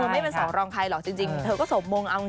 ไม่เป็นสองรองใครหรอกจริงเธอก็สมมงเอาจริง